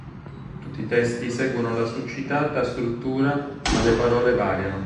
Tutti i testi seguono la succitata struttura ma le parole variano.